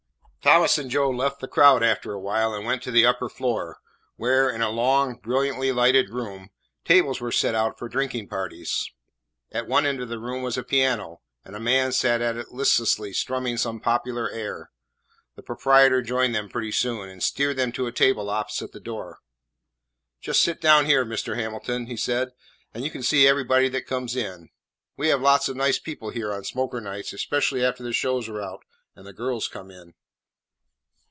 Thomas and Joe left the crowd after a while, and went to the upper floor, where, in a long, brilliantly lighted room, tables were set out for drinking parties. At one end of the room was a piano, and a man sat at it listlessly strumming some popular air. The proprietor joined them pretty soon, and steered them to a table opposite the door. "Just sit down here, Mr. Hamilton," he said, "and you can see everybody that comes in. We have lots of nice people here on smoker nights, especially after the shows are out and the girls come in."